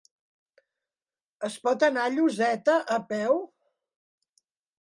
Es pot anar a Lloseta a peu?